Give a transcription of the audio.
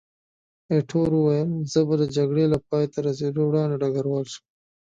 ایټور وویل، زه به د جګړې له پایته رسېدو وړاندې ډګروال شم.